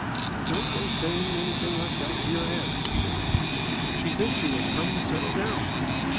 "Don't go saying anything like that to your aunt!" he urged. "She thinks you have come to settle down."